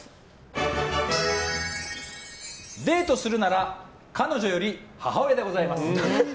デートするなら彼女より母親でございます。